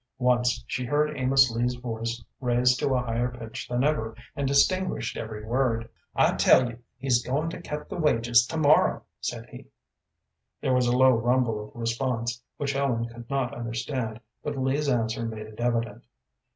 Once she heard Amos Lee's voice raised to a higher pitch than ever, and distinguished every word. "I tell you he's goin' to cut the wages to morrow," said he. There was a low rumble of response, which Ellen could not understand, but Lee's answer made it evident.